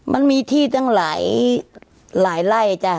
มันมีที่จ้างหลายหลายไล่จ้ะ